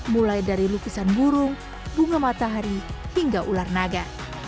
mulai dari lukisan burung bunga matahari hingga ular naga